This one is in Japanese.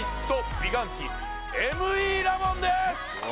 美顔器ＭＥラボンですおお！